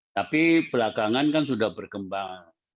tapi belakangan kan sudah berkembang